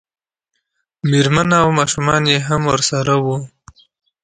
مېرمنه او ماشومان یې هم ورسره وو.